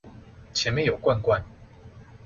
前面有罐罐！